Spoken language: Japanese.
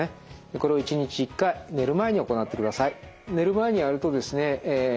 これを１日１回寝る前に行ってください。